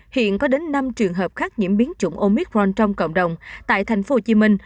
hiện có đến năm trường hợp khác nhiễm biến chủng omit von trong cộng đồng tại thành phố hồ chí minh